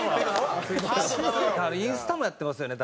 インスタもやってますよね